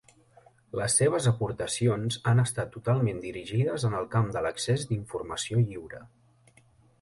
Les seves aportacions han estat totalment dirigides en el camp de l'accés d'informació lliure.